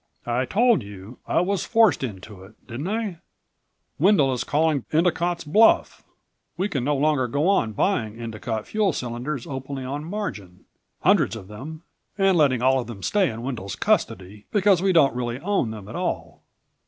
"I told you I was forced into it, didn't I? Wendel is calling Endicott's bluff. We can no longer go on buying Endicott fuel cylinders openly on margin, hundreds of them and letting all of them stay in Wendel's custody, because we don't really own them at all.